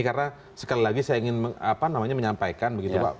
karena sekali lagi saya ingin menyampaikan